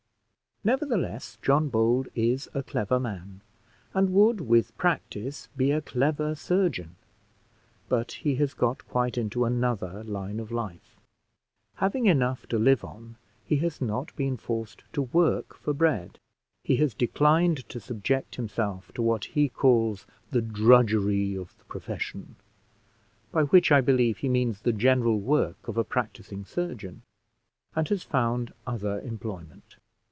Nevertheless, John Bold is a clever man, and would, with practice, be a clever surgeon; but he has got quite into another line of life. Having enough to live on, he has not been forced to work for bread; he has declined to subject himself to what he calls the drudgery of the profession, by which, I believe, he means the general work of a practising surgeon; and has found other employment.